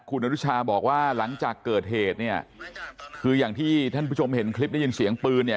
คุณอนุชาบอกว่าหลังจากเกิดเหตุเนี่ยคืออย่างที่ท่านผู้ชมเห็นคลิปได้ยินเสียงปืนเนี่ย